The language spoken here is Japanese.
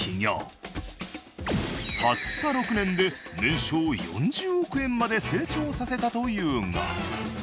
たった６年で年商４０億円まで成長させたというが。